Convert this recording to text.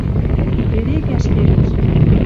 Перегӓш келеш.